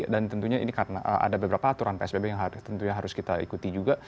dan tentunya ini karena ada beberapa aturan psbb yang harus kita ikuti juga